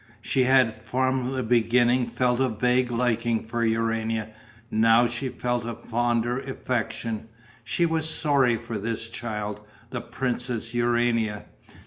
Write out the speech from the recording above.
She had from the beginning felt a vague liking for Urania; now she felt a fonder affection. She was sorry for this child, the Princess Urania.